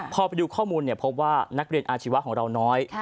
พอไปดูข้อมูลพบว่านักเรียนอาชีวะของเราน้อย